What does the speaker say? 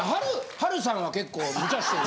はるさんは結構ムチャしてる。